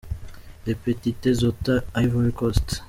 La Petite Zota – Ivory Coast.